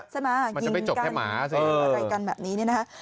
ใช่ไหมยิงกันอะไรกันแบบนี้